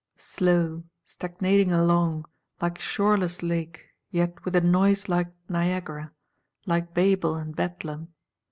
Slow; stagnating along, like shoreless Lake, yet with a noise like Niagara, like Babel and Bedlam.